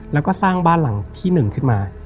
แล้วก็สร้างบ้านหลังที่๑ขึ้นมา